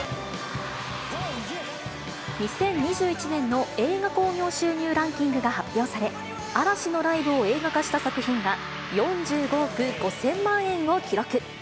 ２０２１年の映画興行収入ランキングが発表され、嵐のライブを映画化した作品が、４５億５０００万円を記録。